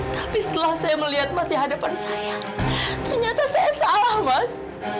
tapi setelah saya melihat masih hadapan saya ternyata saya salah mas